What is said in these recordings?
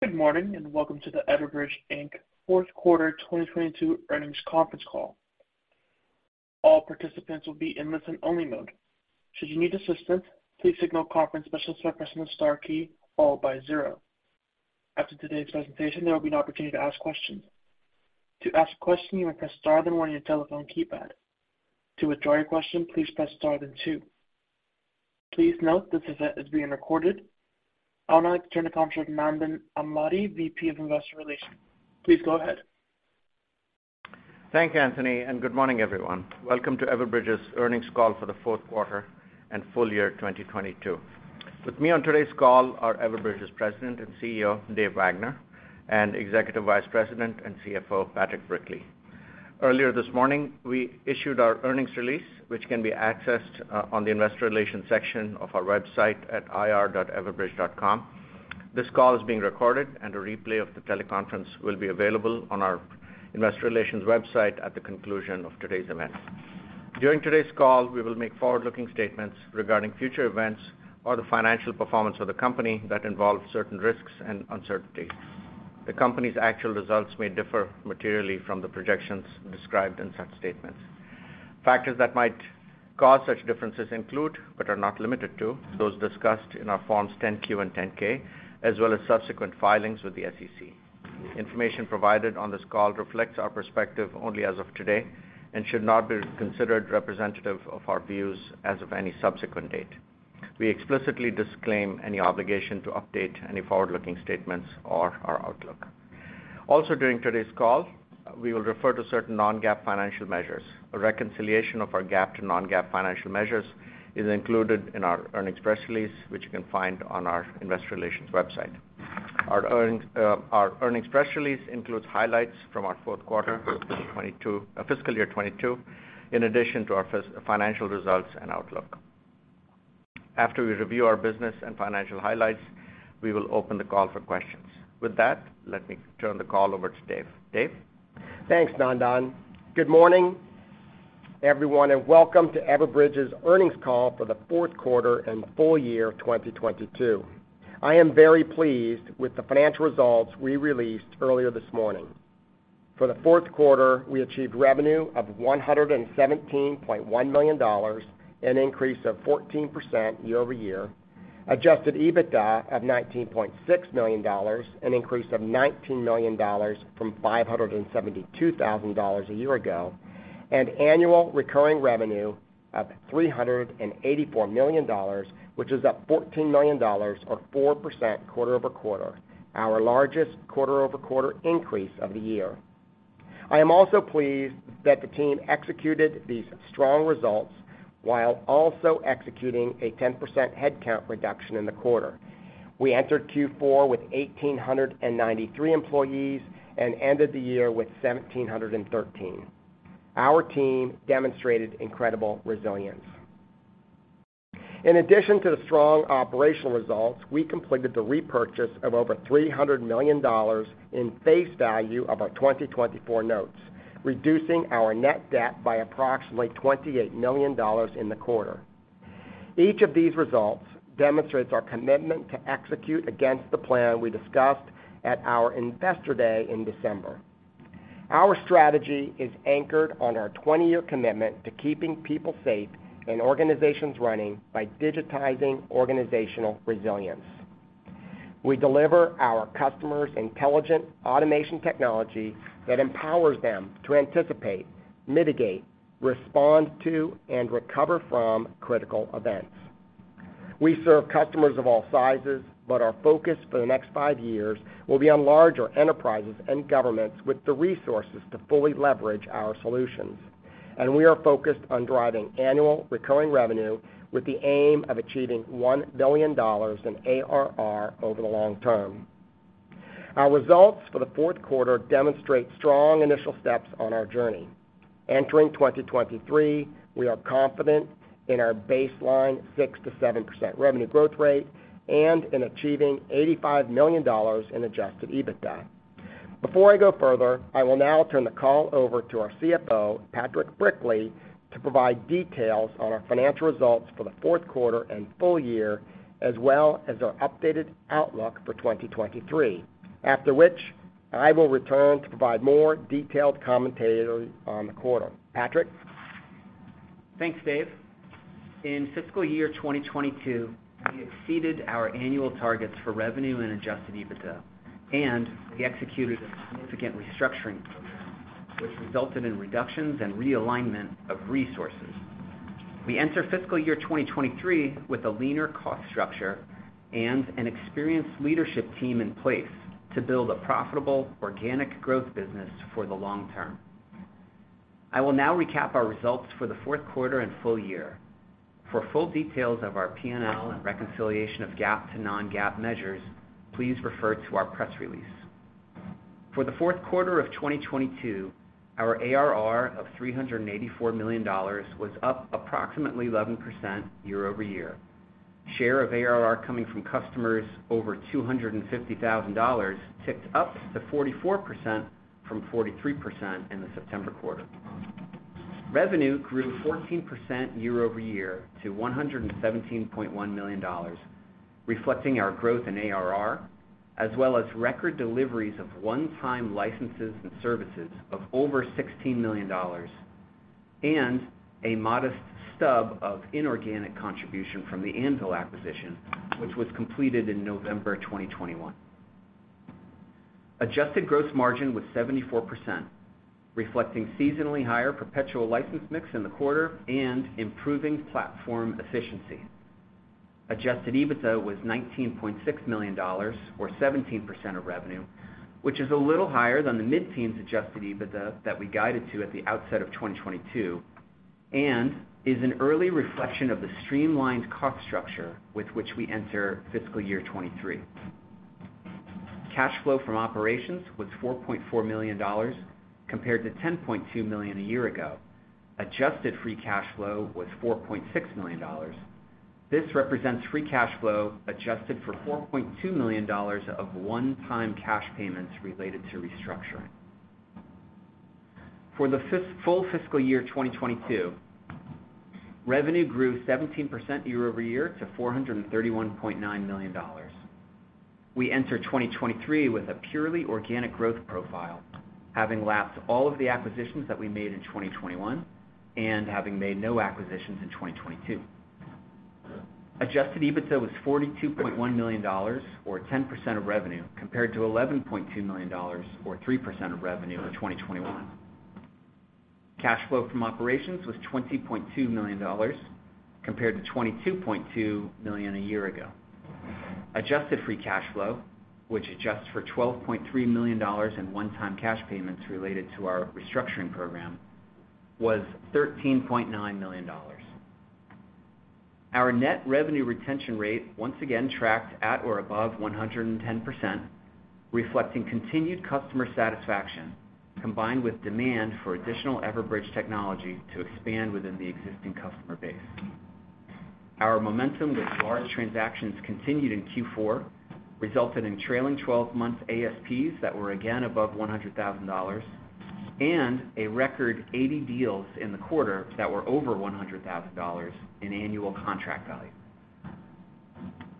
Good morning. Welcome to the Everbridge Inc. fourth quarter 2022 earnings conference call. All participants will be in listen-only mode. Should you need assistance, please signal conference specialist by pressing the star key followed by zero. After today's presentation, there will be an opportunity to ask questions. To ask a question, you may press star then one on your telephone keypad. To withdraw your question, please press star then two. Please note this event is being recorded. I would now like to turn the conference over to Nandan Amladi, VP of Investor Relations. Please go ahead. Thank you, Anthony. Good morning, everyone. Welcome to Everbridge's earnings call for the fourth quarter and full year 2022. With me on today's call are Everbridge's President and CEO, David Wagner, and Executive Vice President and CFO, Patrick Brickley. Earlier this morning, we issued our earnings release, which can be accessed on the investor relations section of our website at ir.everbridge.com. This call is being recorded. A replay of the teleconference will be available on our investor relations website at the conclusion of today's event. During today's call, we will make forward-looking statements regarding future events or the financial performance of the company that involve certain risks and uncertainty. The company's actual results may differ materially from the projections described in such statements. Factors that might cause such differences include, but are not limited to, those discussed in our forms Form 10-Q and Form 10-K, as well as subsequent filings with the SEC. Information provided on this call reflects our perspective only as of today and should not be considered representative of our views as of any subsequent date. We explicitly disclaim any obligation to update any forward-looking statements or our outlook. Also, during today's call, we will refer to certain non-GAAP financial measures. A reconciliation of our GAAP to non-GAAP financial measures is included in our earnings press release, which you can find on our investor relations website. Our earnings press release includes highlights from our fiscal year 2022, in addition to our financial results and outlook. After we review our business and financial highlights, we will open the call for questions. With that, let me turn the call over to Dave. Dave? Thanks, Nandan. Good morning, everyone, and welcome to Everbridge's earnings call for the fourth quarter and full year of 2022. I am very pleased with the financial results we released earlier this morning. For the fourth quarter, we achieved revenue of $117.1 million, an increase of 14% year-over-year, adjusted EBITDA of $19.6 million, an increase of $19 million from $572,000 a year ago, and annual recurring revenue of $384 million, which is up $14 million or 4% quarter-over-quarter, our largest quarter-over-quarter increase of the year. I am also pleased that the team executed these strong results while also executing a 10% headcount reduction in the quarter. We entered Q4 with 1,893 employees and ended the year with 1,713. Our team demonstrated incredible resilience. In addition to the strong operational results, we completed the repurchase of over $300 million in face value of our 2024 Notes, reducing our net debt by approximately $28 million in the quarter. Each of these results demonstrates our commitment to execute against the plan we discussed at our Investor Day in December. Our strategy is anchored on our 20-year commitment to keeping people safe and organizations running by digitizing organizational resilience. We deliver our customers intelligent automation technology that empowers them to anticipate, mitigate, respond to, and recover from critical events. We serve customers of all sizes, but our focus for the next five years will be on larger enterprises and governments with the resources to fully leverage our solutions. We are focused on driving annual recurring revenue with the aim of achieving $1 billion in ARR over the long term. Our results for the fourth quarter demonstrate strong initial steps on our journey. Entering 2023, we are confident in our baseline 6%-7% revenue growth rate and in achieving $85 million in adjusted EBITDA. Before I go further, I will now turn the call over to our CFO, Patrick Brickley, to provide details on our financial results for the fourth quarter and full year, as well as our updated outlook for 2023. After which, I will return to provide more detailed commentary on the quarter. Patrick? Thanks, Dave. In fiscal year 2022, we exceeded our annual targets for revenue and adjusted EBITDA, we executed a significant restructuring program which resulted in reductions and realignment of resources. We enter fiscal year 2023 with a leaner cost structure and an experienced leadership team in place to build a profitable organic growth business for the long term. I will now recap our results for the fourth quarter and full year. For full details of our P&L and reconciliation of GAAP to non-GAAP measures, please refer to our press release. For the fourth quarter of 2022, our ARR of $384 million was up approximately 11% year-over-year. Share of ARR coming from customers over $250,000 ticked up to 44% from 43% in the September quarter. Revenue grew 14% year-over-year to $117.1 million, reflecting our growth in ARR, as well as record deliveries of one-time licenses and services of over $16 million, and a modest stub of inorganic contribution from the Anvil acquisition, which was completed in November 2021. Adjusted gross margin was 74%, reflecting seasonally higher perpetual license mix in the quarter and improving platform efficiency. Adjusted EBITDA was $19.6 million or 17% of revenue, which is a little higher than the mid-teens adjusted EBITDA that we guided to at the outset of 2022, and is an early reflection of the streamlined cost structure with which we enter fiscal year '23. Cash flow from operations was $4.4 million compared to $10.2 million a year ago. Adjusted free cash flow was $4.6 million. This represents free cash flow adjusted for $4.2 million of one-time cash payments related to restructuring. For the full fiscal year 2022, revenue grew 17% year-over-year to $431.9 million. We enter 2023 with a purely organic growth profile, having lapsed all of the acquisitions that we made in 2021 and having made no acquisitions in 2022. Adjusted EBITDA was $42.1 million or 10% of revenue, compared to $11.2 million or 3% of revenue in 2021. Cash flow from operations was $20.2 million compared to $22.2 million a year ago. Adjusted Free Cash Flow, which adjusts for $12.3 million in one-time cash payments related to our restructuring program, was $13.9 million. Our net revenue retention rate once again tracked at or above 110%, reflecting continued customer satisfaction, combined with demand for additional Everbridge technology to expand within the existing customer base. Our momentum with large transactions continued in Q4, resulted in trailing twelve-month ASPs that were again above $100,000, and a record 80 deals in the quarter that were over $100,000 in annual contract value.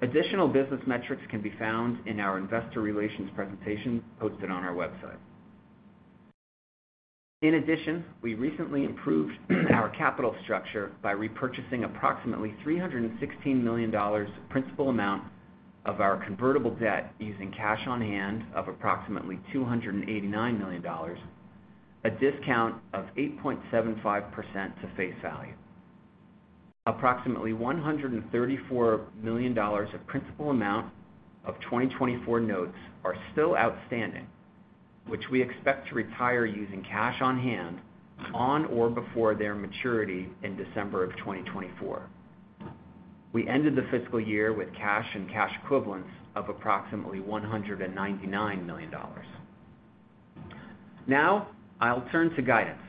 Additional business metrics can be found in our investor relations presentation posted on our website. We recently improved our capital structure by repurchasing approximately $316 million principal amount of our convertible debt using cash on hand of approximately $289 million, a discount of 8.75% to face value. Approximately $134 million of principal amount of 2024 Notes are still outstanding, which we expect to retire using cash on hand on or before their maturity in December of 2024. We ended the fiscal year with cash and cash equivalents of approximately $199 million. I'll turn to guidance.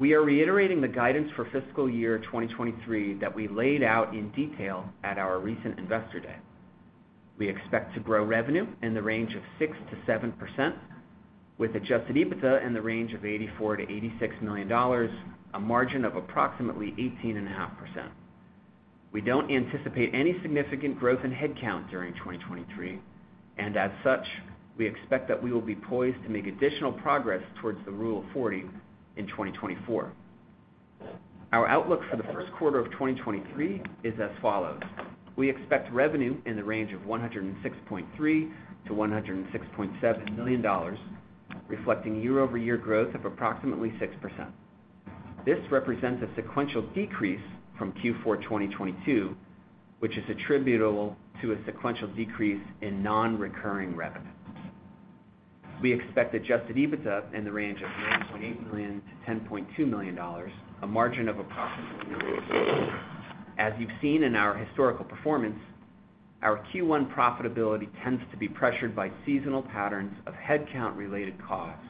We are reiterating the guidance for fiscal year 2023 that we laid out in detail at our recent Investor Day. We expect to grow revenue in the range of 6%-7%, with adjusted EBITDA in the range of $84 million-$86 million, a margin of approximately 18.5%. We don't anticipate any significant growth in headcount during 2023, and as such, we expect that we will be poised to make additional progress towards the Rule of 40 in 2024. Our outlook for the first quarter of 2023 is as follows: We expect revenue in the range of $106.3 million-$106.7 million, reflecting year-over-year growth of approximately 6%. This represents a sequential decrease from Q4 2022, which is attributable to a sequential decrease in non-recurring revenue. We expect adjusted EBITDA in the range of $9.8 million-$10.2 million, a margin of approximately. As you've seen in our historical performance, our Q1 profitability tends to be pressured by seasonal patterns of headcount-related costs,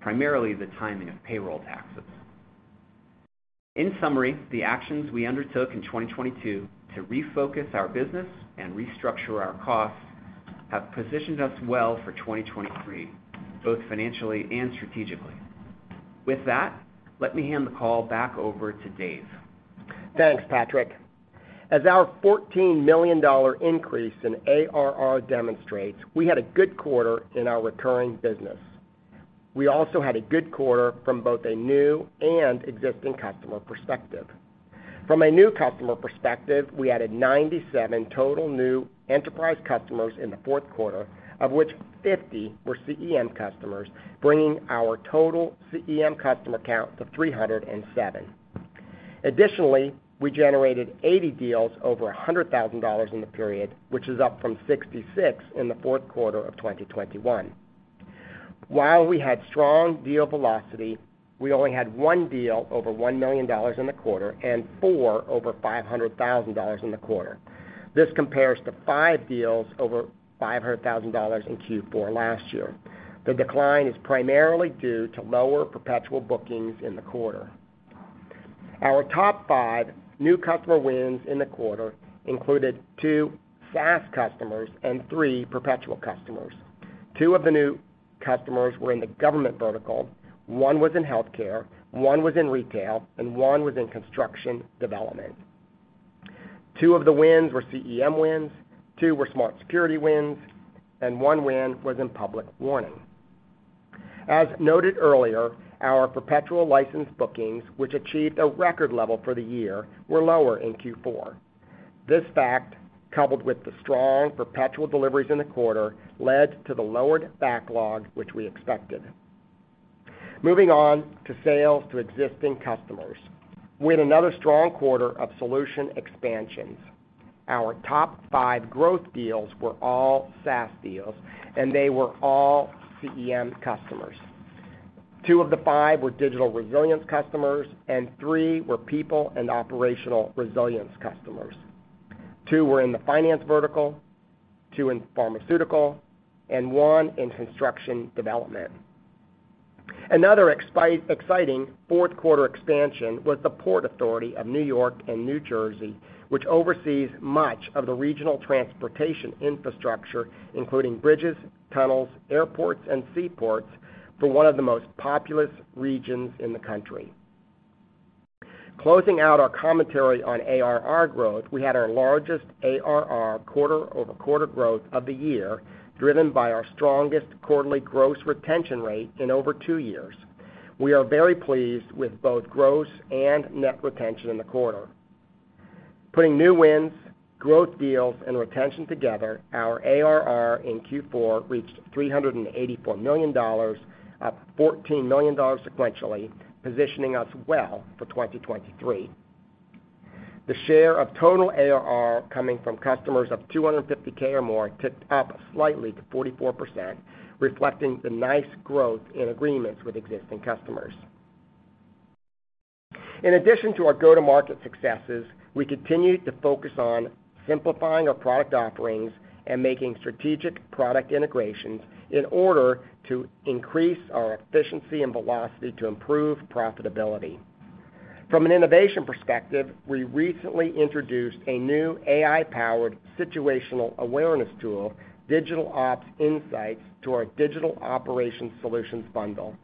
primarily the timing of payroll taxes. In summary, the actions we undertook in 2022 to refocus our business and restructure our costs have positioned us well for 2023, both financially and strategically. With that, let me hand the call back over to Dave. Thanks, Patrick. As our $14 million increase in ARR demonstrates, we had a good quarter in our recurring business. We also had a good quarter from both a new and existing customer perspective. From a new customer perspective, we added 97 total new enterprise customers in the fourth quarter, of which 50 were CEM customers, bringing our total CEM customer count to 307. We generated 80 deals over $100,000 in the period, which is up from 66 in the fourth quarter of 2021. While we had strong deal velocity, we only had one deal over $1 million in the quarter and four over $500,000 in the quarter. This compares to five deals over $500,000 in Q4 last year. The decline is primarily due to lower perpetual bookings in the quarter. Our top five new customer wins in the quarter included two SaaS customers and three perpetual customers. two of the new customers were in the government vertical, one was in healthcare, one was in retail, and one was in construction development. two of the wins were CEM wins, two were Smart Security wins, and one win was in Public Warning. As noted earlier, our perpetual license bookings, which achieved a record level for the year, were lower in Q4. This fact, coupled with the strong perpetual deliveries in the quarter, led to the lowered backlog, which we expected. Moving on to sales to existing customers. We had another strong quarter of solution expansions. Our top five growth deals were all SaaS deals, and they were all CEM customers. Two of the five were digital resilience customers, and three were people and operational resilience customers. Two were in the finance vertical, two in pharmaceutical, and one in construction development. Another exciting fourth quarter expansion was the Port Authority of New York and New Jersey, which oversees much of the regional transportation infrastructure, including bridges, tunnels, airports, and seaports for one of the most populous regions in the country. Closing out our commentary on ARR growth, we had our largest ARR quarter-over-quarter growth of the year, driven by our strongest quarterly gross retention rate in over two years. We are very pleased with both gross and net retention in the quarter. Putting new wins, growth deals, and retention together, our ARR in Q4 reached $384 million, up $14 million sequentially, positioning us well for 2023. The share of total ARR coming from customers of 250K or more ticked up slightly to 44%, reflecting the nice growth in agreements with existing customers. In addition to our go-to-market successes, we continue to focus on simplifying our product offerings and making strategic product integrations in order to increase our efficiency and velocity to improve profitability. From an innovation perspective, we recently introduced a new AI-powered situational awareness tool, DigitalOps Insights, to our Digital Operations solutions bundle.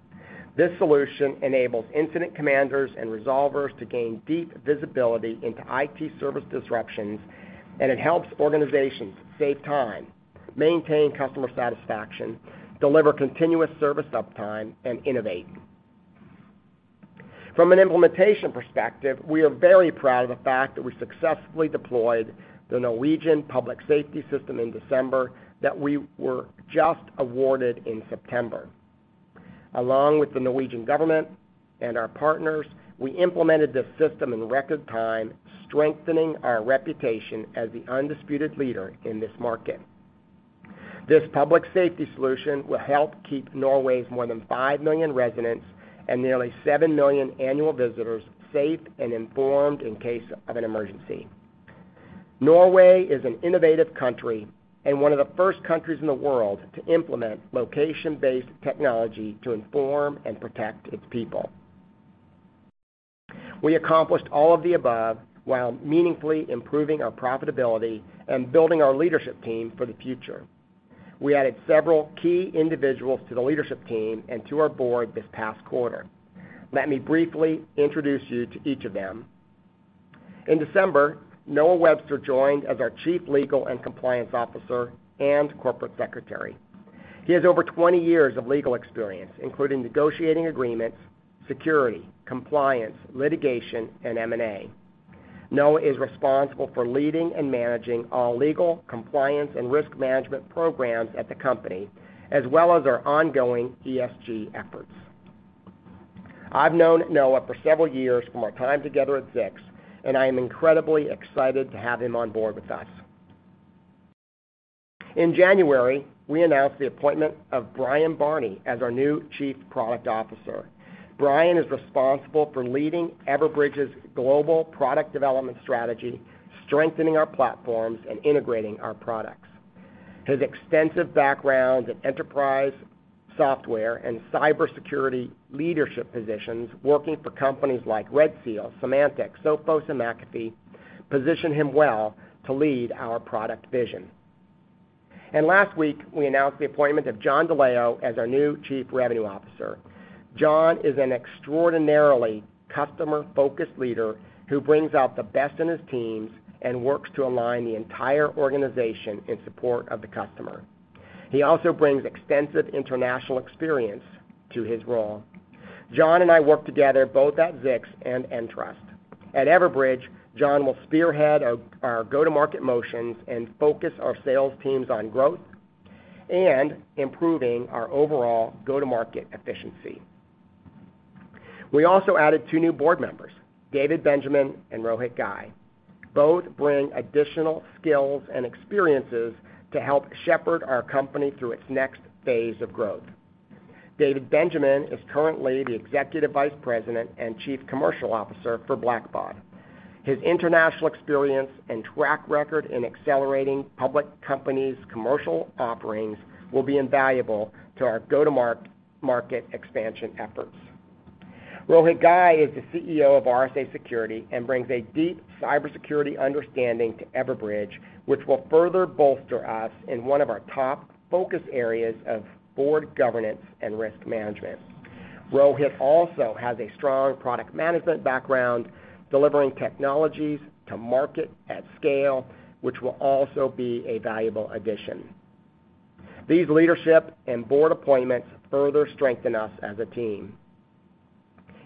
This solution enables incident commanders and resolvers to gain deep visibility into IT service disruptions, and it helps organizations save time, maintain customer satisfaction, deliver continuous service uptime, and innovate. From an implementation perspective, we are very proud of the fact that we successfully deployed the Norwegian Public Safety System in December that we were just awarded in September. Along with the Norwegian government and our partners, we implemented this system in record time, strengthening our reputation as the undisputed leader in this market. This public safety solution will help keep Norway's more than 5 million residents and nearly 7 million annual visitors safe and informed in case of an emergency. Norway is an innovative country and one of the first countries in the world to implement location-based technology to inform and protect its people. We accomplished all of the above while meaningfully improving our profitability and building our leadership team for the future. We added several key individuals to the leadership team and to our board this past quarter. Let me briefly introduce you to each of them. In December, Noah Webster joined as our Chief Legal and Compliance Officer and Corporate Secretary. He has over 20 years of legal experience, including negotiating agreements, security, compliance, litigation, and M&A. Noah is responsible for leading and managing all legal, compliance, and risk management programs at the company, as well as our ongoing ESG efforts. I've known Noah for several years from our time together at Zix, and I am incredibly excited to have him on board with us. In January, we announced the appointment of Bryan Barney as our new Chief Product Officer. Bryan is responsible for leading Everbridge's global product development strategy, strengthening our platforms, and integrating our products. His extensive background in enterprise software and cybersecurity leadership positions, working for companies like RedSky, Symantec, Sophos, and McAfee, position him well to lead our product vision. Last week, we announced the appointment of John DiLullo as our new Chief Revenue Officer. John is an extraordinarily customer-focused leader who brings out the best in his teams and works to align the entire organization in support of the customer. He also brings extensive international experience to his role. John and I worked together both at Zix and Entrust. At Everbridge, John will spearhead our go-to-market motions and focus our sales teams on growth and improving our overall go-to-market efficiency. We also added two new board members, David Benjamin and Rohit Ghai. Both bring additional skills and experiences to help shepherd our company through its next phase of growth. David Benjamin is currently the Executive Vice President and Chief Commercial Officer for Blackbaud. His international experience and track record in accelerating public companies' commercial offerings will be invaluable to our go-to-market expansion efforts. Rohit Ghai is the CEO of RSA Security and brings a deep cybersecurity understanding to Everbridge, which will further bolster us in one of our top focus areas of board governance and risk management. Rohit also has a strong product management background delivering technologies to market at scale, which will also be a valuable addition. These leadership and board appointments further strengthen us as a team.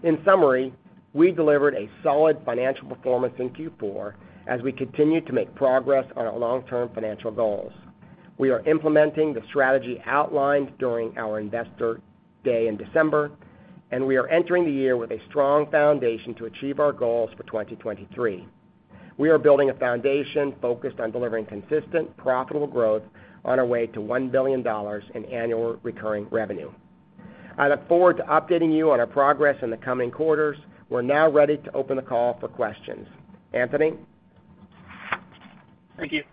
In summary, we delivered a solid financial performance in Q4 as we continue to make progress on our long-term financial goals. We are implementing the strategy outlined during our Investor Day in December. We are entering the year with a strong foundation to achieve our goals for 2023. We are building a foundation focused on delivering consistent, profitable growth on our way to $1 billion in annual recurring revenue. I look forward to updating you on our progress in the coming quarters. We're now ready to open the call for questions. Anthony? Thank you.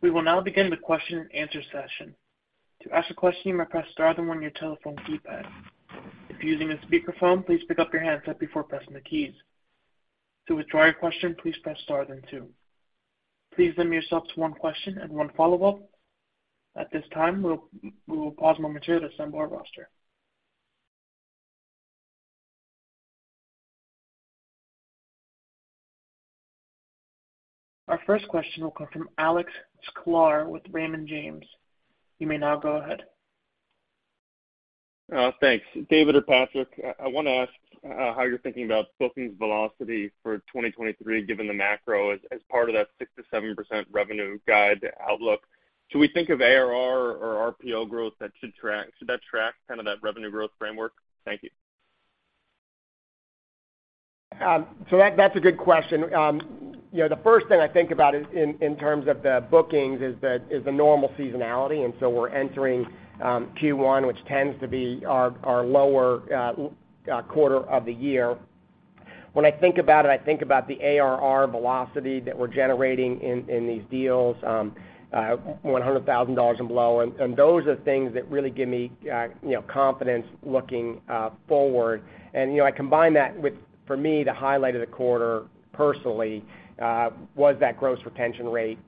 We will now begin the question-and-answer session. To ask a question, you may press star then one your telephone keypad. If you're using a speakerphone, please pick up your handset before pressing the keys. To withdraw your question, please press star then two. Please limit yourself to one question and one follow-up. At this time, we will pause momentarily to assemble our roster. Our first question will come from Alex Sklar with Raymond James. You may now go ahead. Thanks. David or Patrick, I wanna ask how you're thinking about bookings velocity for 2023, given the macro as part of that 6%-7% revenue guide outlook. Should we think of ARR or RPO growth that should track kind of that revenue growth framework? Thank you. That's a good question. You know, the first thing I think about is in terms of the bookings is the normal seasonality. We're entering Q1, which tends to be our lower quarter of the year. When I think about it, I think about the ARR velocity that we're generating in these deals, $100,000 and below. Those are things that really give me, you know, confidence looking forward. You know, I combine that with, for me, the highlight of the quarter personally, was that gross retention rate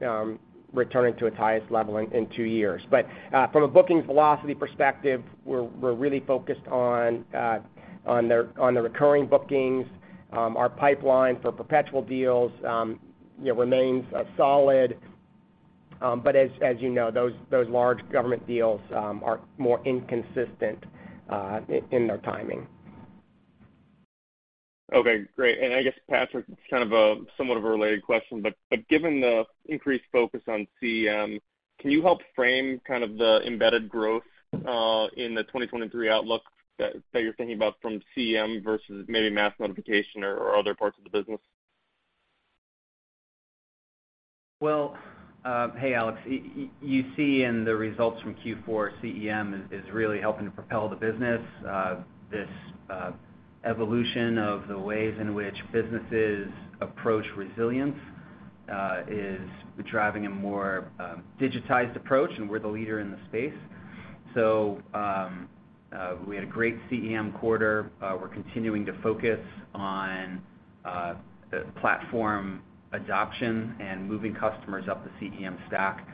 returning to its highest level in two years. From a bookings velocity perspective, we're really focused on the recurring bookings. Our pipeline for perpetual deals, you know, remains solid. As you know, those large government deals are more inconsistent in their timing. Okay, great. I guess, Patrick, it's kind of a somewhat of a related question, but given the increased focus on CEM, can you help frame kind of the embedded growth in the 2023 outlook that you're thinking about from CEM versus maybe mass notification or other parts of the business? Alex, you see in the results from Q4, CEM is really helping to propel the business. This evolution of the ways in which businesses approach resilience is driving a more digitized approach, and we're the leader in the space. We had a great CEM quarter. We're continuing to focus on the platform adoption and moving customers up the CEM stack.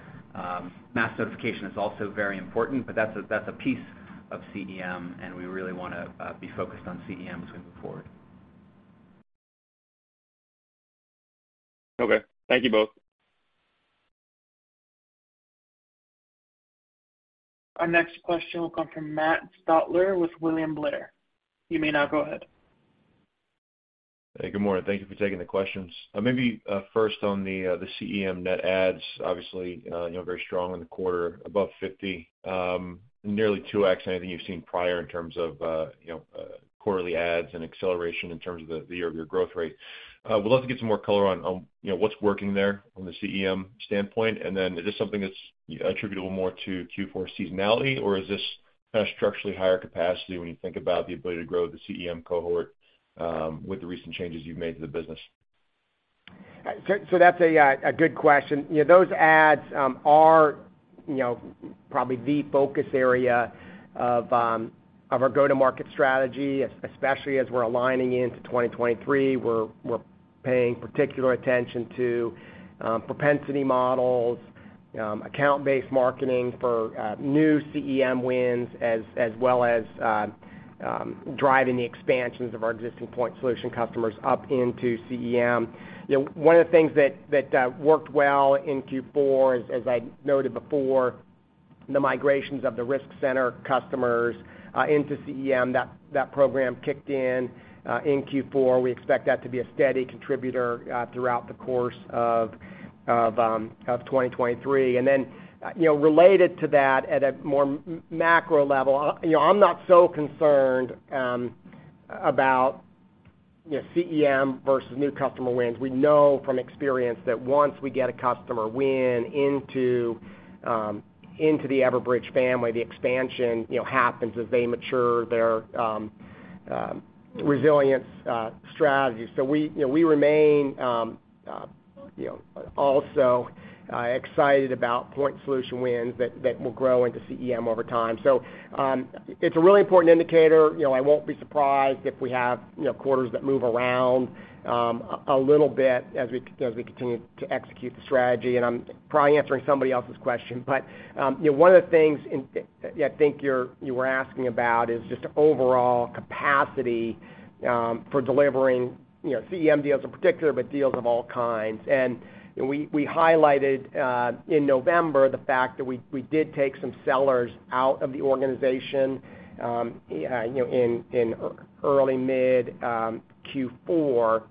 Mass notification is also very important, but that's a piece of CEM, and we really wanna be focused on CEM as we move forward. Okay. Thank you both. Our next question will come from Matt Stotler with William Blair. You may now go ahead. Hey, good morning. Thank you for taking the questions. Maybe, first on the CEM net adds, obviously, you know, very strong in the quarter, above 50, nearly 2x anything you've seen prior in terms of, you know, quarterly adds and acceleration in terms of the year-over-year growth rate. Would love to get some more color on, you know, what's working there from the CEM standpoint. Is this something that's attributable more to Q4 seasonality, or is this kind of structurally higher capacity when you think about the ability to grow the CEM cohort, with the recent changes you've made to the business? That's a good question. You know, those adds are, you know, probably the focus area of our go-to-market strategy, especially as we're aligning into 2023. We're paying particular attention to propensity models, account-based marketing for new CEM wins, as well as driving the expansions of our existing point solution customers up into CEM. You know, one of the things that worked well in Q4, as I noted before, the migrations of the Risk Center customers into CEM, that program kicked in in Q4. We expect that to be a steady contributor throughout the course of 2023. You know, related to that at a more macro level, you know, I'm not so concerned about, you know, CEM versus new customer wins. We know from experience that once we get a customer win into the Everbridge family, the expansion, you know, happens as they mature their resilience strategy. We, you know, we remain, you know, also excited about point solution wins that will grow into CEM over time. It's a really important indicator. You know, I won't be surprised if we have, you know, quarters that move around a little bit as we continue to execute the strategy. I'm probably answering somebody else's question. You know, one of the things I think you were asking about is just overall capacity, for delivering, you know, CEM deals in particular, but deals of all kinds. We highlighted in November the fact that we did take some sellers out of the organization early mid Q4.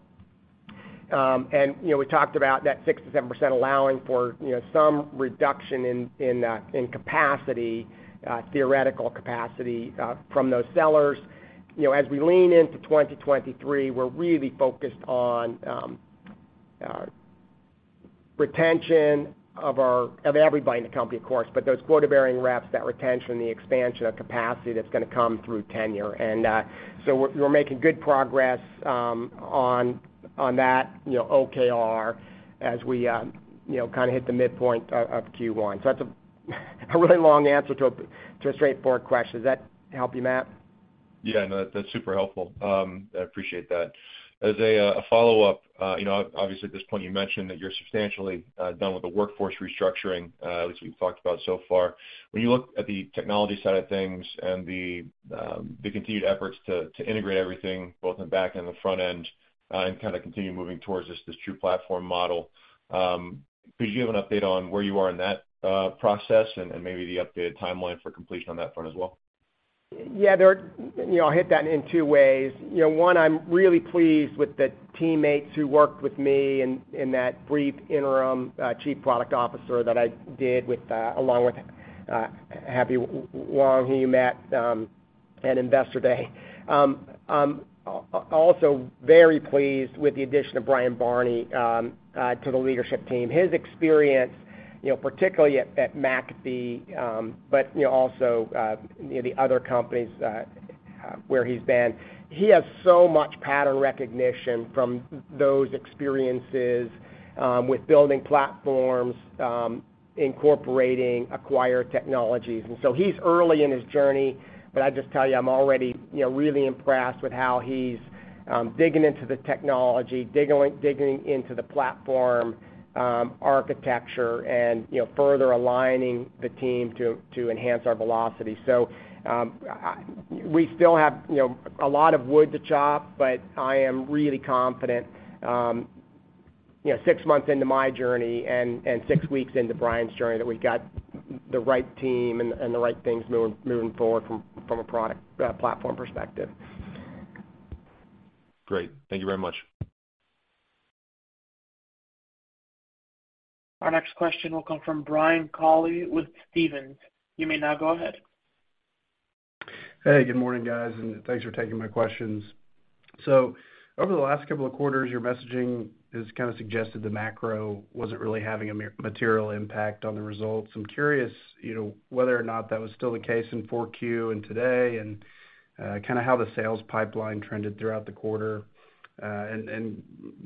We talked about that 6%-7% allowing for, you know, some reduction in capacity, theoretical capacity, from those sellers. You know, as we lean into 2023, we're really focused on retention of everybody in the company, of course, but those quota-bearing reps, that retention, the expansion of capacity that's gonna come through tenure. We're making good progress on that, you know, OKR as we, you know, kinda hit the midpoint of Q1. That's a really long answer to a straightforward question. Does that help you, Matt? Yeah, no, that's super helpful. I appreciate that. As a follow-up, you know, obviously, at this point, you mentioned that you're substantially done with the workforce restructuring, at least we've talked about so far. When you look at the technology side of things and the continued efforts to integrate everything, both in back and the front end, and kinda continue moving towards this true platform model, could you give an update on where you are in that process and maybe the updated timeline for completion on that front as well? Yeah, there are... You know, I'll hit that in two ways. You know, one, I'm really pleased with the teammates who worked with me in that brief interim, chief product officer that I did with, along with, Happy Wang, who you met, at Investor Day. also very pleased with the addition of Bryan Barney, to the leadership team. His experience, you know, particularly at McAfee, but, you know, also, you know, the other companies, where he's been, he has so much pattern recognition from those experiences, with building platforms, incorporating acquired technologies. He's early in his journey, but I just tell you, I'm already, you know, really impressed with how he's digging into the technology, digging into the platform, architecture and, you know, further aligning the team to enhance our velocity. We still have, you know, a lot of wood to chop, but I am really confident, you know, six months into my journey and six weeks into Brian's journey, that we've got the right team and the right things moving forward from a product platform perspective. Great. Thank you very much. Our next question will come from Brian Colley with Stephens. You may now go ahead. Good morning, guys, and thanks for taking my questions. Over the last couple of quarters, your messaging has kinda suggested the macro wasn't really having a material impact on the results. I'm curious, you know, whether or not that was still the case in Q4 and today, and kinda how the sales pipeline trended throughout the quarter, and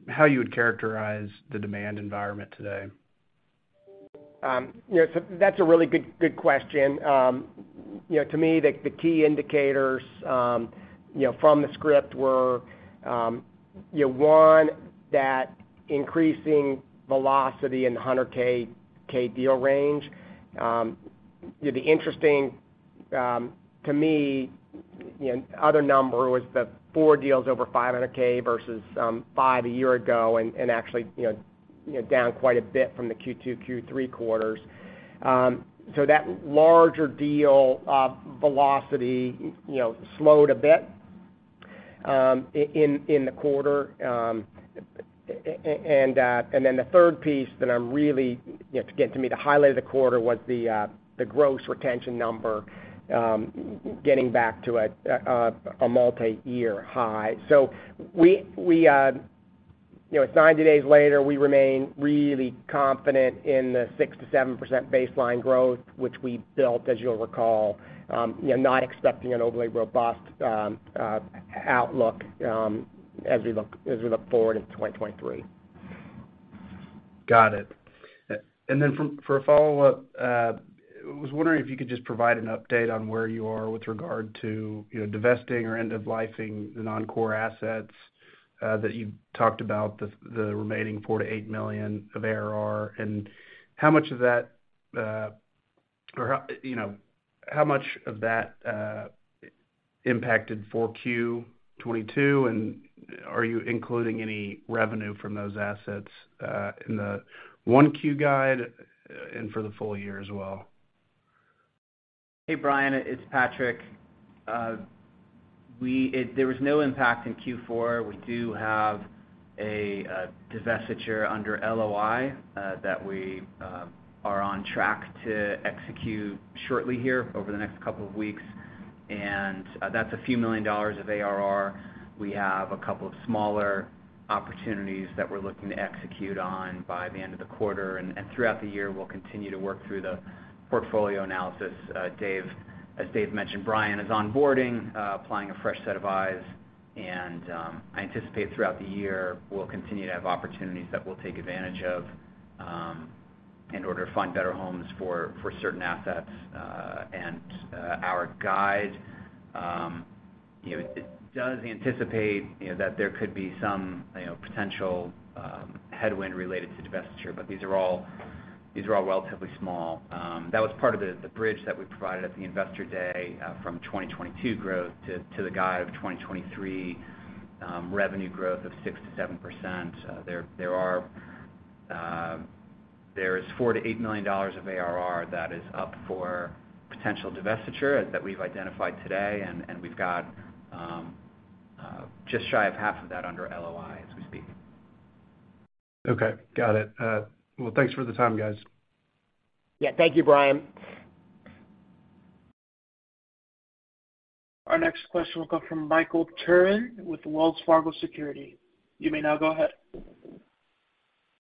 how you would characterize the demand environment today. You know, that's a really good question. You know, to me, the key indicators, you know, from the script were, you know, one, that increasing velocity in the 100K deal range. You know, the interesting, to me, you know, other number was the four deals over 500K versus, five a year ago, and actually, you know, down quite a bit from the Q2, Q3 quarters. That larger deal, velocity, you know, slowed a bit, in the quarter. The third piece that I'm really, you know, to get to me, the highlight of the quarter was the gross retention number, getting back to a multiyear high. We, you know, it's 90 days later, we remain really confident in the 6%-7% baseline growth, which we built, as you'll recall, you know, not expecting an overly robust outlook, as we look forward into 2023. Got it. Then for a follow-up, I was wondering if you could just provide an update on where you are with regard to, you know, divesting or end-of-lifing the non-core assets that you talked about, the remaining $4 million-$8 million of ARR, and how much of that or how, you know, how much of that impacted Q4 2022, and are you including any revenue from those assets in the Q1 guide and for the full year as well? Hey, Brian, it's Patrick. There was no impact in Q4. We do have a divestiture under LOI that we are on track to execute shortly here over the next two weeks, and that's a few million dollars of ARR. We have two smaller opportunities that we're looking to execute on by the end of the quarter. Throughout the year, we'll continue to work through the portfolio analysis. As Dave mentioned, Brian is onboarding, applying a fresh set of eyes, and I anticipate throughout the year, we'll continue to have opportunities that we'll take advantage of in order to find better homes for certain assets. Our guide, you know, it does anticipate, you know, that there could be some, you know, potential headwind related to divestiture, but these are all relatively small. That was part of the bridge that we provided at the Investor Day, from 2022 growth to the guide of 2023, revenue growth of 6%-7%. There, there are, there is $4 million-$8 million of ARR that is up for potential divestiture that we've identified today, and we've got just shy of half of that under LOI as we speak. Okay. Got it. Well, thanks for the time, guys. Yeah. Thank you, Bryan. Our next question will come from Michael Turrin with Wells Fargo Securities. You may now go ahead.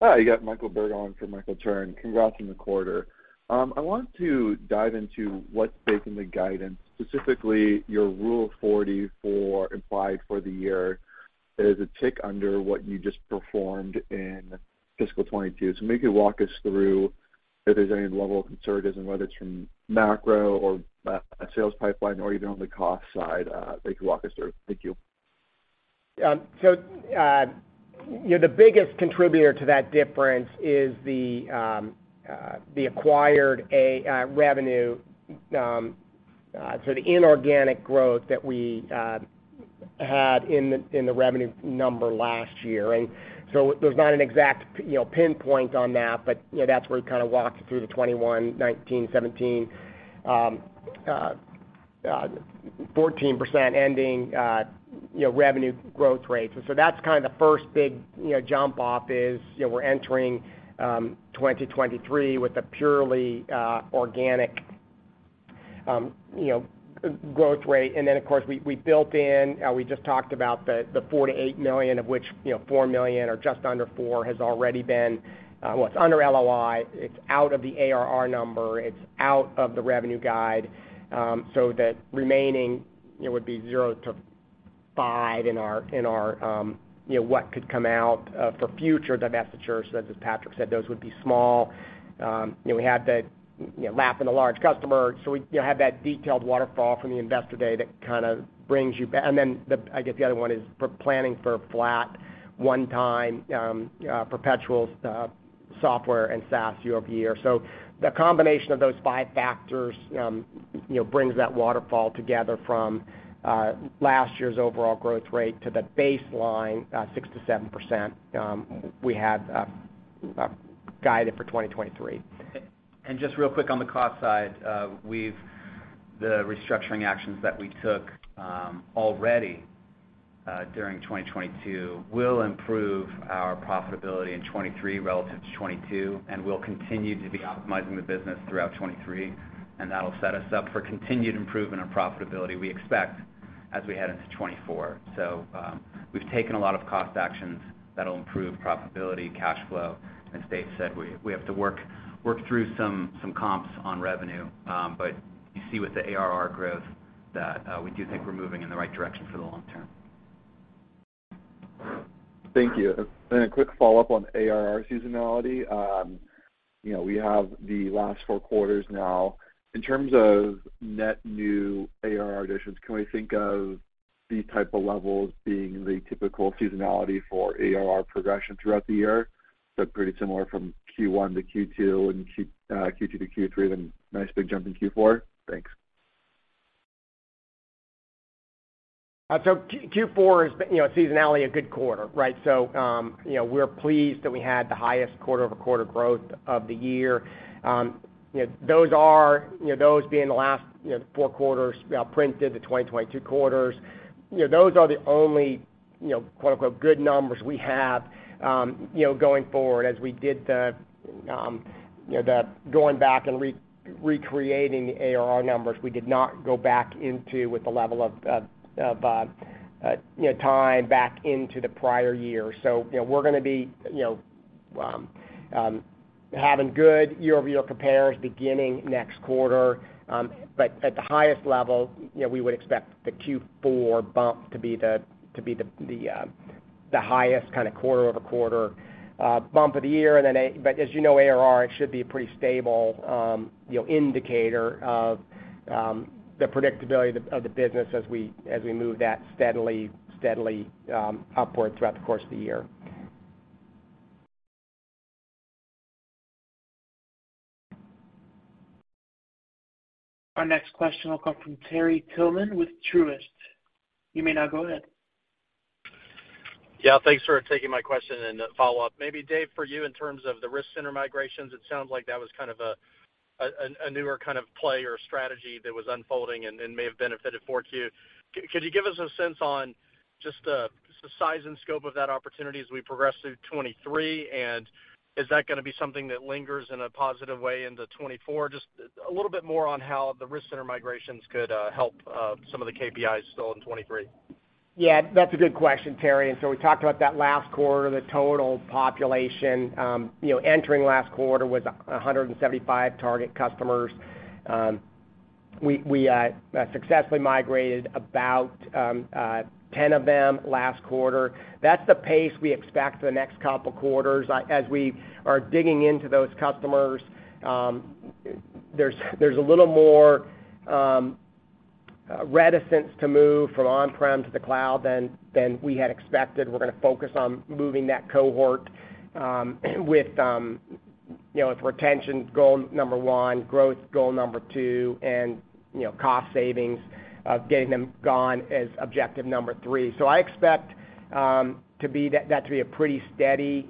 Hi. You got Michael Turrin for Michael Turrin. Congrats on the quarter. I want to dive into what's baked in the guidance, specifically your Rule of 40 implied for the year is a tick under what you just performed in fiscal 2022. Maybe walk us through if there's any level of conservatism, whether it's from macro or sales pipeline or even on the cost side, if you could walk us through. Thank you. You know, the biggest contributor to that difference is the acquired revenue, so the inorganic growth that we had in the revenue number last year. There's not an exact, you know, pinpoint on that, but, you know, that's where it kind of walks you through the 21, 19, 17, 14% ending, you know, revenue growth rates. That's kind of the first big, you know, jump off is, you know, we're entering 2023 with a purely organic, you know, growth rate. Of course, we built in, we just talked about the $4 million-$8 million, of which, you know, $4 million or just under $4 million has already been, well, it's under LOI. It's out of the ARR number. It's out of the revenue guide. The remaining, you know, would be 0-5 in our, in our, you know, what could come out for future divestitures. As Patrick said, those would be small. You know, we have the, you know, lap and the large customer, so we, you know, have that detailed waterfall from the Investor Day that kind of brings you back. I guess the other one is we're planning for flat one-time perpetuals, software and SaaS year-over-year. The combination of those five factors, you know, brings that waterfall together from last year's overall growth rate to the baseline 6%-7% we have guided for 2023. Just real quick on the cost side, the restructuring actions that we took already during 2022 will improve our profitability in 2023 relative to 2022, and we'll continue to be optimizing the business throughout 2023, and that'll set us up for continued improvement on profitability we expect as we head into 2024. We've taken a lot of cost actions that'll improve profitability, cash flow. As Dave said, we have to work through some comps on revenue, but you see with the ARR growth that we do think we're moving in the right direction for the long term. Thank you. Then a quick follow-up on ARR seasonality. You know, we have the last four quarters now. In terms of net new ARR additions, can we think of these type of levels being the typical seasonality for ARR progression throughout the year? Looked pretty similar from Q1 to Q2 and Q2 to Q3, then nice big jump in Q4. Thanks. Q4 is, you know, seasonality a good quarter, right? You know, we're pleased that we had the highest quarter-over-quarter growth of the year. You know, those are, you know, those being the last, you know, four quarters, printed, the 2022 quarters, you know, those are the only, you know, quote, unquote, "good numbers" we have, you know, going forward as we did the, you know, the going back and re-recreating the ARR numbers. We did not go back into with the level of, you know, time back into the prior year. You know, we're gonna be, you know, having good year-over-year compares beginning next quarter. At the highest level, you know, we would expect the Q4 bump to be the highest kind of quarter-over-quarter bump of the year. As you know, ARR, it should be a pretty stable, you know, indicator of the predictability of the business as we move that steadily upward throughout the course of the year. Our next question will come from Terry Tillman with Truist. You may now go ahead. Yeah, thanks for taking my question and follow-up. Maybe Dave, for you, in terms of the Risk Center migrations, it sounds like that was kind of a newer kind of play or strategy that was unfolding and may have benefited 4Q. Could you give us a sense on just the size and scope of that opportunity as we progress through 2023? And is that gonna be something that lingers in a positive way into 2024? Just a little bit more on how the Risk Center migrations could help some of the KPIs still in 2023. Yeah, that's a good question, Terry. We talked about that last quarter, the total population, you know, entering last quarter was 175 target customers. We successfully migrated about 10 of them last quarter. That's the pace we expect for the next couple quarters. As we are digging into those customers, there's a little more reticence to move from on-prem to the cloud than we had expected. We're gonna focus on moving that cohort, you know, with retention goal number one, growth goal number one, and, you know, cost savings of getting them gone as objective number three. I expect that to be a pretty steady,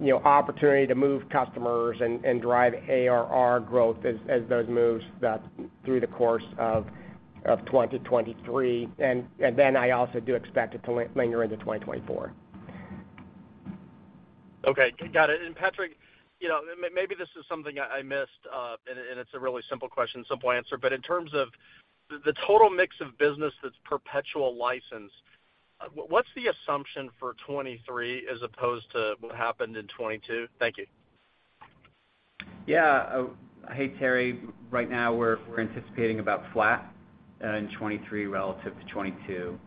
you know, opportunity to move customers and drive ARR growth as those moves that through the course of 2023. I also do expect it to linger into 2024. Okay. Got it. Patrick, you know, maybe this is something I missed, and it's a really simple question, simple answer. In terms of the total mix of business that's perpetual license, what's the assumption for 2023 as opposed to what happened in 2022? Thank you. Yeah. Hey, Terry. Right now, we're anticipating about flat in 2023 relative to 2022. You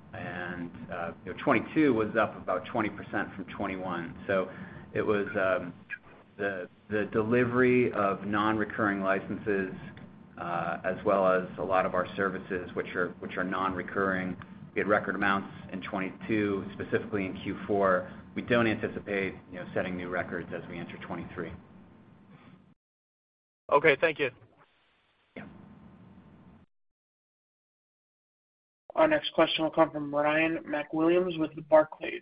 know, 2022 was up about 20% from 2021. It was the delivery of non-recurring licenses, as well as a lot of our services, which are non-recurring. We had record amounts in 2022, specifically in Q4. We don't anticipate, you know, setting new records as we enter 2023. Okay. Thank you. Yeah. Our next question will come from Ryan MacWilliams with Barclays.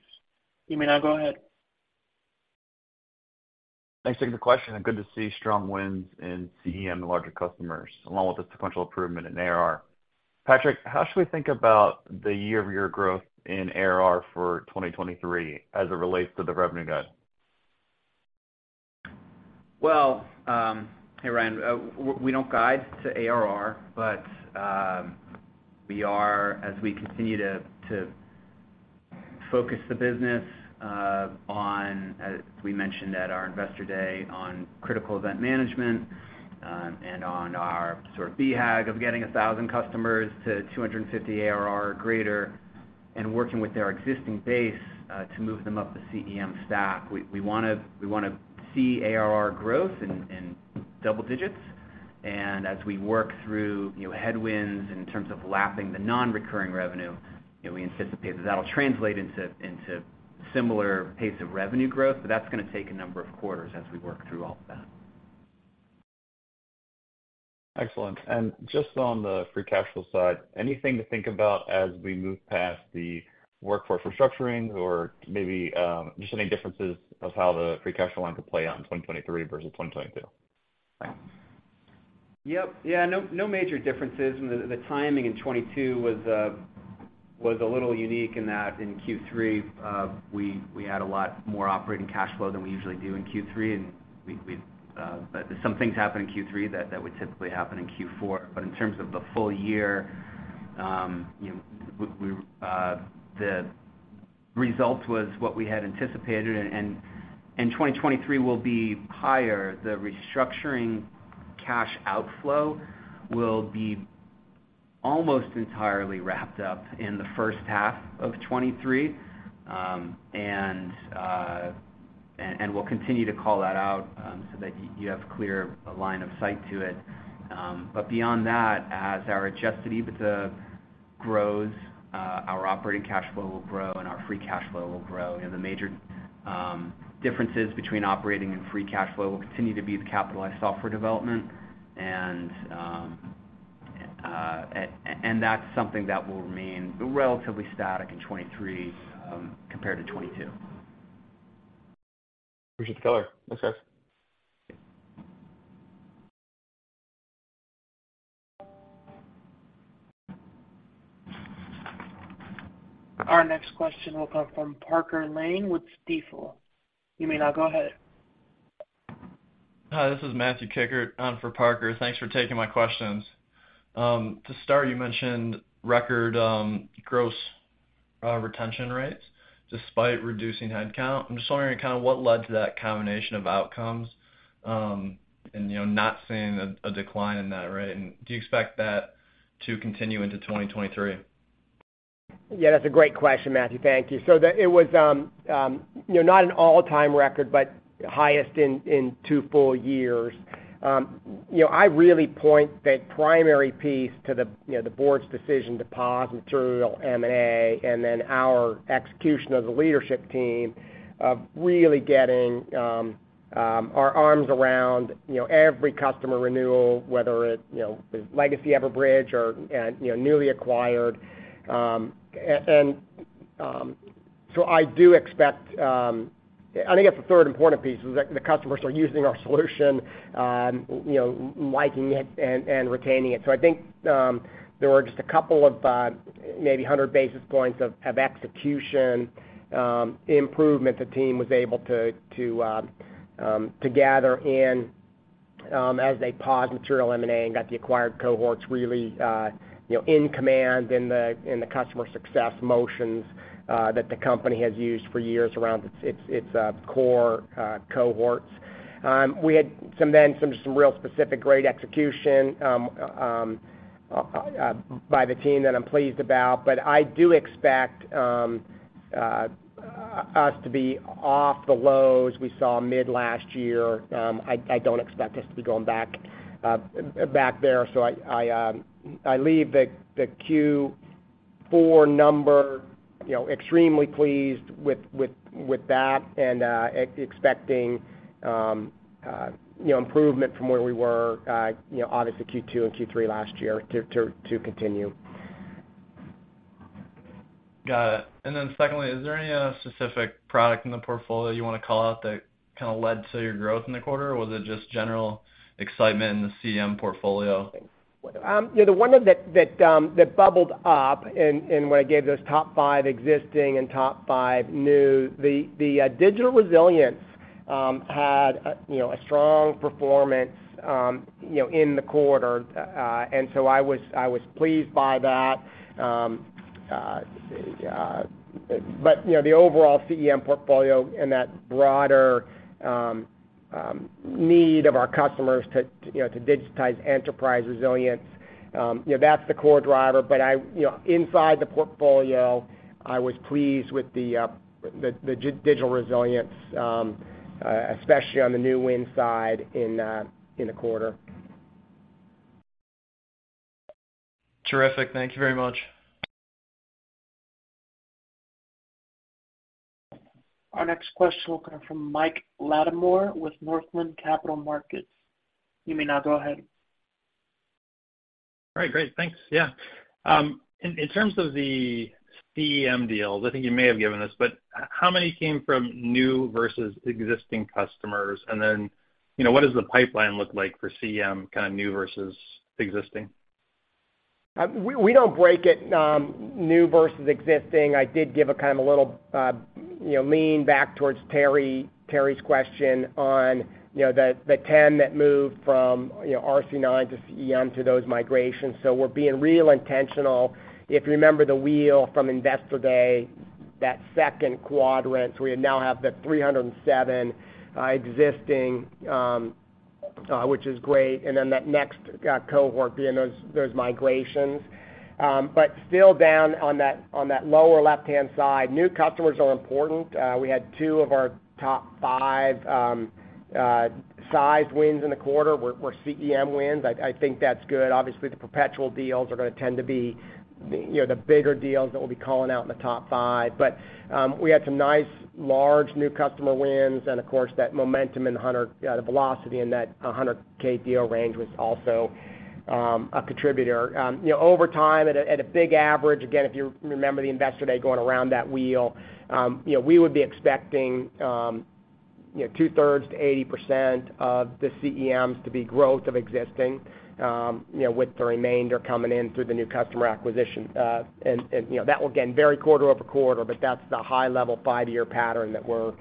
You may now go ahead. Thanks for the question. Good to see strong wins in CEM and larger customers, along with the sequential improvement in ARR. Patrick, how should we think about the year-over-year growth in ARR for 2023 as it relates to the revenue guide? Hey, Ryan, we don't guide to ARR, but we are, as we continue to focus the business, on, as we mentioned at our Investor Day, on Critical Event Management, and on our sort of BHAG of getting 1,000 customers to $250 ARR or greater, and working with their existing base, to move them up the CEM stack. We wanna see ARR growth in double digits. As we work through, you know, headwinds in terms of lapping the non-recurring revenue, you know, we anticipate that that'll translate into similar pace of revenue growth, but that's gonna take a number of quarters as we work through all of that. Excellent. Just on the free cash flow side, anything to think about as we move past the workforce restructuring or maybe, just any differences of how the free cash flow line could play out in 2023 versus 2022? Yep. Yeah, no major differences. The timing in 2022 was a little unique in that in Q3, we had a lot more operating cash flow than we usually do in Q3, and we some things happened in Q3 that would typically happen in Q4. In terms of the full year, you know, the results was what we had anticipated, and 2023 will be higher. The restructuring cash outflow will be almost entirely wrapped up in the first half of 2023. And we'll continue to call that out so that you have clear line of sight to it. Beyond that, as our adjusted EBITDA grows, our operating cash flow will grow, and our free cash flow will grow. You know, the major differences between operating and free cash flow will continue to be the capitalized software development. That's something that will remain relatively static in 23 compared to 22. Appreciate the color. Thanks, guys. Our next question will come from Parker Lane with Stifel. You may now go ahead. Hi, this is Matthew Kikkert on for Parker. Thanks for taking my questions. To start, you mentioned record gross retention rates despite reducing headcount. I'm just wondering kind of what led to that combination of outcomes, and you know, not seeing a decline in that rate. Do you expect that to continue into 2023? Yeah, that's a great question, Matthew. Thank you. It was, you know, not an all-time record but highest in two full years. You know, I really point the primary piece to the, you know, the board's decision to pause material M&A, and then our execution of the leadership team of really getting our arms around, you know, every customer renewal, whether it, you know, is legacy Everbridge or, and, you know, newly acquired. I do expect. I think that's the third important piece is that the customers are using our solution, you know, liking it and retaining it. I think, there were just a couple of, maybe 100 basis points of execution improvement the team was able to gather and as they paused material M&A and got the acquired cohorts really, you know, in command in the customer success motions that the company has used for years around its core cohorts. We had some then some real specific great execution by the team that I'm pleased about, but I do expect us to be off the lows we saw mid last year. I don't expect us to be going back there. I leave the Q4 number, you know, extremely pleased with that and expecting, you know, improvement from where we were, you know, obviously Q2 and Q3 last year to continue. Got it. Secondly, is there any specific product in the portfolio you wanna call out that kinda led to your growth in the quarter, or was it just general excitement in the CEM portfolio? You know, the one that bubbled up and when I gave those top five existing and top five new, the digital resilience had, you know, a strong performance, you know, in the quarter. I was pleased by that. You know, the overall CEM portfolio and that broader need of our customers to, you know, to digitize enterprise resilience, you know, that's the core driver. You know, inside the portfolio, I was pleased with the digital resilience, especially on the new win side in the quarter. Terrific. Thank you very much. Our next question will come from Michael Latimore with Northland Capital Markets. You may now go ahead. All right. Great. Thanks. Yeah. In terms of the CEM deals, I think you may have given this, but how many came from new versus existing customers? You know, what does the pipeline look like for CEM, kind of new versus existing? We don't break it, new versus existing. I did give a kind of a little, you know, lean back towards Terry's question on, you know, the 10 that moved from, you know, RC9 to CEM to those migrations. We're being real intentional. If you remember the wheel from Investor Day, that second quadrant, we now have the 307 existing, which is great, and then that next cohort being those migrations. But still down on that lower left-hand side, new customers are important. We had two of our top five sized wins in the quarter were CEM wins. I think that's good. Obviously, the perpetual deals are going to tend to be, you know, the bigger deals that we'll be calling out in the top five. We had some nice large new customer wins, and of course, that momentum in the 100K deal range was also a contributor. You know, over time at a, at a big average, again, if you remember the Investor Day going around that wheel, you know, we would be expecting, you know, 2/3 to 80% of the CEMs to be growth of existing, you know, with the remainder coming in through the new customer acquisition. You know, that will, again, vary quarter-over-quarter, but that's the high level five-year pattern that we're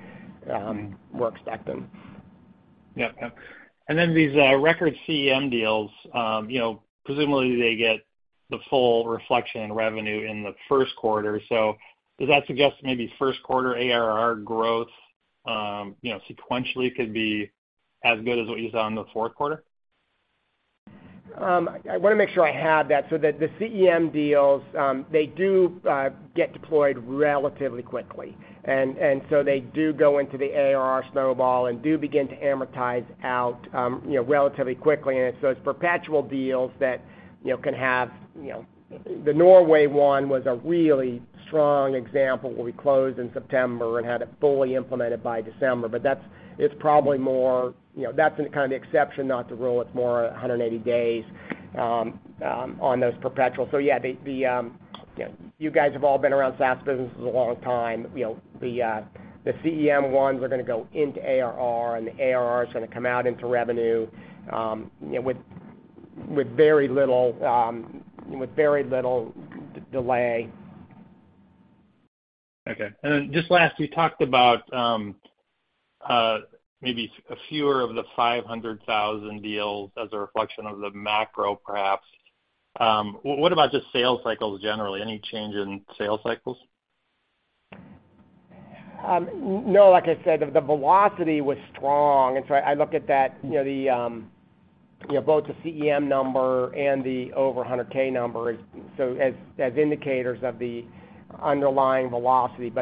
expecting. Yep. These record CEM deals, you know, presumably they get the full reflection in revenue in the first quarter. Does that suggest maybe first quarter ARR growth, you know, sequentially could be as good as what you saw in the fourth quarter? I wanna make sure I have that. The CEM deals, they do get deployed relatively quickly. They do go into the ARR snowball and do begin to amortize out, you know, relatively quickly. It's those perpetual deals that, you know, can have, you know... The Norway one was a really strong example where we closed in September and had it fully implemented by December. That's probably more, you know, that's kind of the exception, not the rule. It's more 180 days on those perpetuals. Yeah, the, you know, you guys have all been around SaaS businesses a long time. You know, the CEM ones are gonna go into ARR, and the ARR is gonna come out into revenue, you know, with very little, with very little delay. Okay. Just last, you talked about, maybe a fewer of the $500,000 deals as a reflection of the macro perhaps. What about just sales cycles generally? Any change in sales cycles? No. Like I said, the velocity was strong, I look at that, both the CEM number and the over $100K number as indicators of the underlying velocity.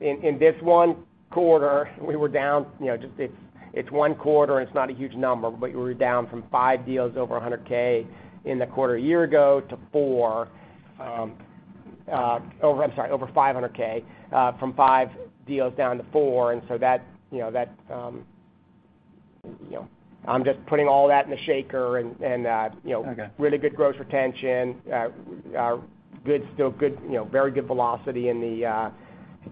In this one quarter, we were down, just it's one quarter and it's not a huge number, but we were down from five deals over $100K in the quarter a year ago to four. Oh, I'm sorry, over $500K, from five deals down to four. That, I'm just putting all that in the shaker. Okay. Really good gross retention, still good, you know, very good velocity in the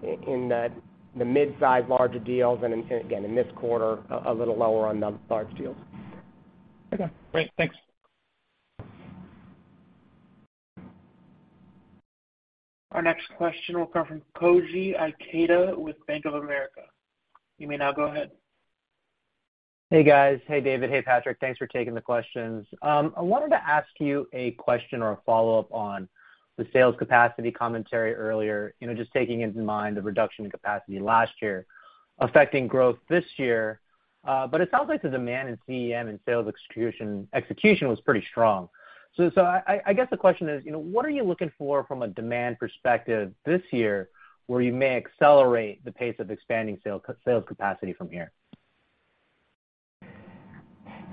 mid-size larger deals. In, again, in this quarter, a little lower on the large deals. Okay. Great. Thanks. Our next question will come from Koji Ikeda with Bank of America. You may now go ahead. Hey, guys. Hey, David. Hey, Patrick. Thanks for taking the questions. I wanted to ask you a question or a follow-up on the sales capacity commentary earlier, you know, just taking into mind the reduction in capacity last year affecting growth this year. It sounds like the demand in CEM and sales execution was pretty strong. I guess the question is, you know, what are you looking for from a demand perspective this year where you may accelerate the pace of expanding sales capacity from here?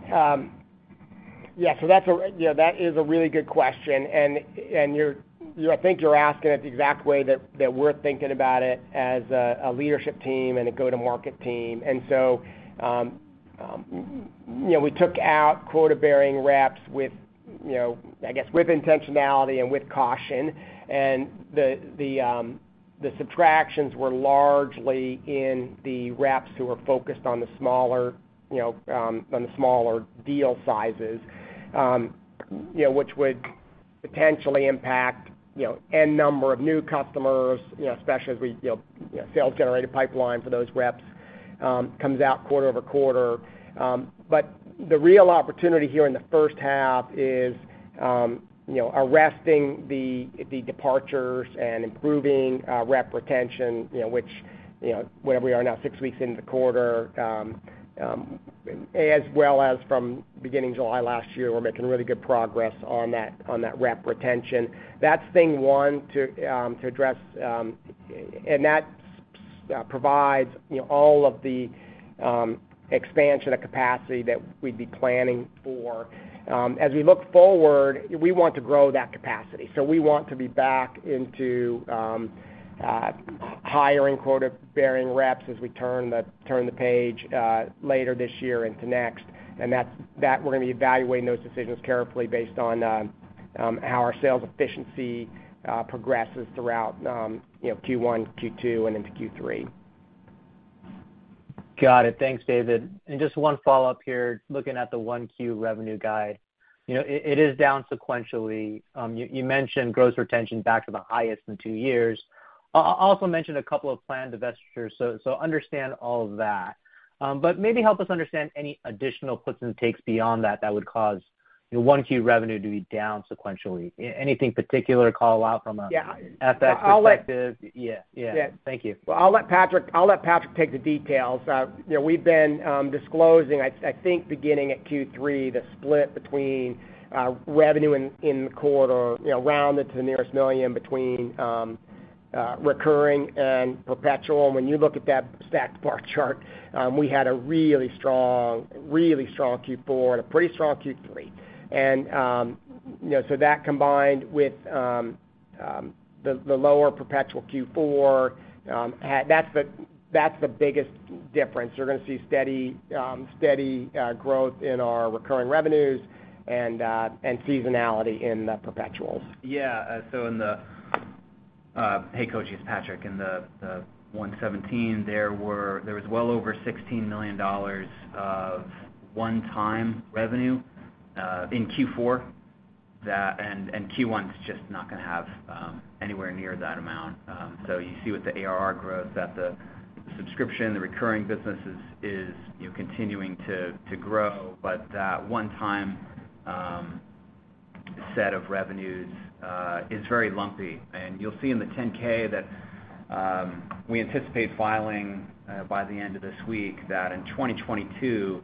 Yeah, so that's yeah, that is a really good question. You're I think you're asking it the exact way that we're thinking about it as a leadership team and a go-to-market team. You know, we took out quota-bearing reps with, you know, I guess, with intentionality and with caution. The subtractions were largely in the reps who are focused on the smaller, you know, on the smaller deal sizes, you know, which would potentially impact, you know, N number of new customers, you know, especially as we, you know, sales-generated pipeline for those reps, comes out quarter-over-quarter. The real opportunity here in the first half is, you know, arresting the departures and improving rep retention, you know, which, you know, where we are now, six weeks into the quarter, as well as from beginning July last year, we're making really good progress on that rep retention. That's thing one to address, and that provides, you know, all of the expansion of capacity that we'd be planning for. As we look forward, we want to grow that capacity. We want to be back into hiring quota-bearing reps as we turn the page later this year into next. We're gonna be evaluating those decisions carefully based on how our sales efficiency progresses throughout, you know, Q1, Q2, and into Q3. Got it. Thanks, David. Just one follow-up here. Looking at the 1Q revenue guide, you know, it is down sequentially. You mentioned gross retention back to the highest in two years. Also mentioned a couple of planned divestitures, so understand all of that. Maybe help us understand any additional puts and takes beyond that that would cause, you know, 1Q revenue to be down sequentially. Anything particular call out from. Yeah. FX perspective? I'll let- Yeah, yeah. Yeah. Thank you. Well, I'll let Patrick take the details. You know, we've been disclosing, I think beginning at Q3, the split between revenue in the quarter, you know, rounded to the nearest $1 million between recurring and perpetual. When you look at that stacked bar chart, we had a really strong Q4 and a pretty strong Q3. You know, that combined with the lower perpetual Q4, that's the biggest difference. You're going to see steady growth in our recurring revenues and seasonality in the perpetuals. Yeah. Hey, Koji, it's Patrick. In the 117, there was well over $16 million of one-time revenue in Q4. Q1's just not gonna have anywhere near that amount. You see with the ARR growth that the subscription, the recurring business is, you know, continuing to grow. That one time set of revenues is very lumpy. You'll see in the Form 10-K that we anticipate filing by the end of this week that in 2022,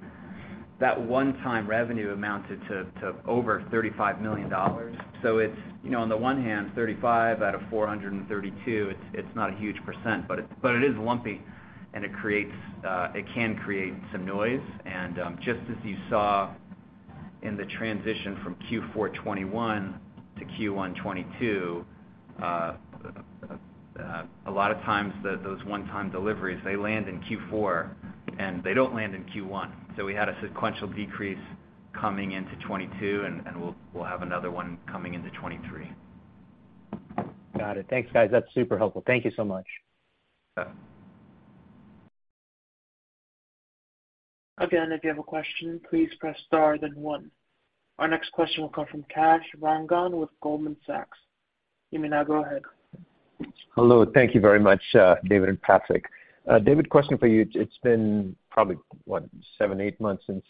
that one-time revenue amounted to over $35 million. It's, you know, on the one hand, 35 out of 432, it's not a huge %, but it is lumpy and it creates, it can create some noise. Just as you saw in the transition from Q4 2021 to Q1 2022, a lot of times those one-time deliveries, they land in Q4, and they don't land in Q1. We had a sequential decrease coming into 2022, and we'll have another one coming into 2023. Got it. Thanks, guys. That's super helpful. Thank you so much. Yeah. Again, if you have a question, please press Star then One. Our next question will come from Kash Rangan with Goldman Sachs. You may now go ahead. Hello, thank you very much, David and Patrick. David, question for you. It's been probably, what, seven, eight months since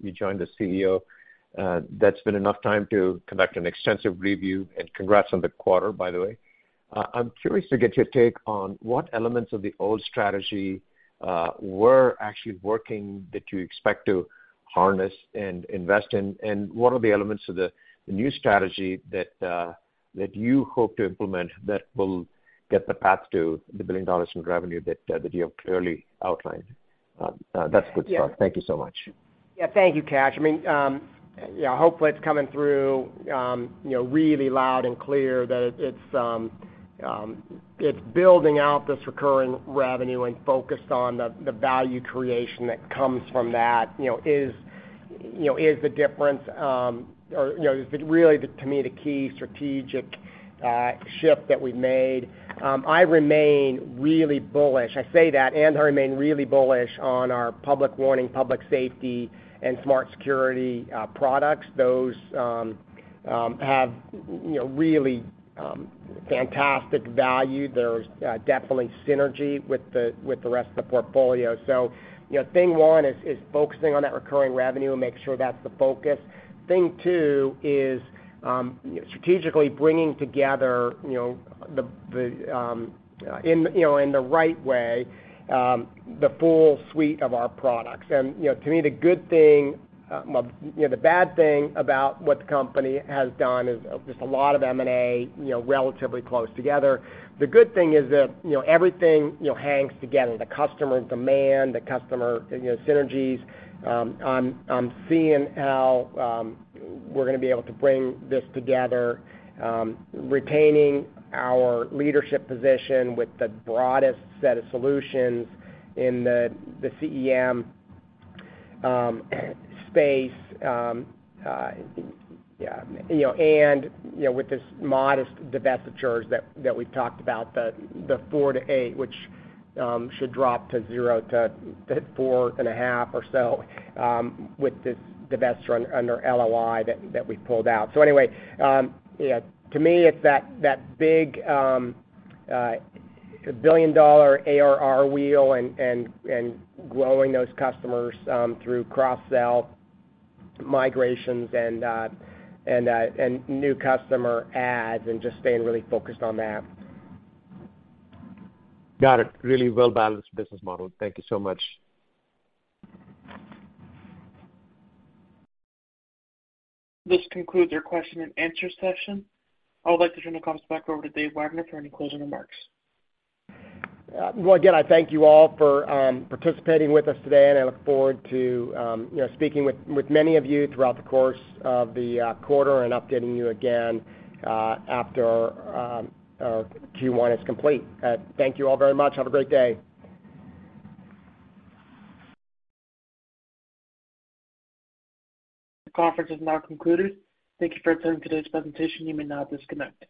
you joined as CEO. That's been enough time to conduct an extensive review, and congrats on the quarter, by the way. I'm curious to get your take on what elements of the old strategy were actually working that you expect to harness and invest in, and what are the elements of the new strategy that you hope to implement that will get the path to the $1 billion in revenue that you have clearly outlined? That's good stuff. Yeah. Thank you so much. Yeah. Thank you, Kash. I mean, yeah, hopefully it's coming through, you know, really loud and clear that it's building out this recurring revenue and focused on the value creation that comes from that, you know, is, you know, is the difference, or, you know, is really, to me, the key strategic shift that we've made. I remain really bullish. I say that, and I remain really bullish on our Public Warning, public safety, and Smart Security products. Those have, you know, really fantastic value. There's definitely synergy with the rest of the portfolio. You know, thing one is focusing on that recurring revenue and make sure that's the focus. Thing two is strategically bringing together, you know, in, you know, in the right way, the full suite of our products. You know, to me, the good thing, well, you know, the bad thing about what the company has done is just a lot of M&A, you know, relatively close together. The good thing is that, you know, everything, you know, hangs together, the customer demand, the customer, you know, synergies. I'm seeing how we're going to be able to bring this together, retaining our leadership position with the broadest set of solutions in the CEM space, with this modest divestitures that we've talked about, the $4 million-$8 million, which should drop to $0-$4.5 million or so, with this divest run under LOI that we pulled out. Anyway, to me, it's that big billion-dollar ARR wheel and growing those customers through cross-sell migrations and new customer adds and just staying really focused on that. Got it. Really well-balanced business model. Thank you so much. This concludes your question and answer session. I would like to turn the calls back over to David Wagner for any closing remarks. Well, again, I thank you all for participating with us today, and I look forward to, you know, speaking with many of you throughout the course of the quarter and updating you again after Q1 is complete. Thank you all very much. Have a great day. The conference is now concluded. Thank you for attending today's presentation. You may now disconnect.